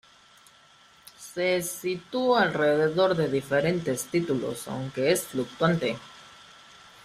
Se sitúa alrededor de diferentes títulos, aunque es fluctuante.